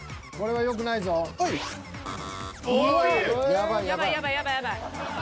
やばいやばいやばいやばい。